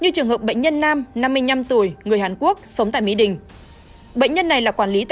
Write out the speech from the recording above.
như trường hợp bệnh nhân nam năm mươi năm tuổi người hàn quốc sống tại mỹ đình